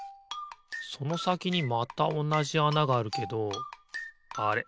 そのさきにまたおなじあながあるけどあれ？